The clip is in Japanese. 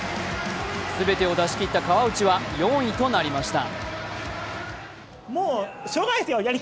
全てを出し切った川内は４位となりました。